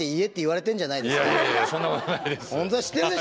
そんなことないです。